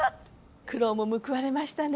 苦労も報われましたね。